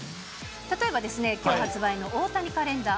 例えばですね、きょう発売の大谷カレンダー。